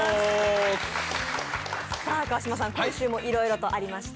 さあ、川島さん、今週もいろいろとありました。